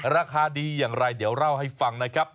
ราคาดีอย่างไรเดี๋ยวเล่าให้ฟังนะครับ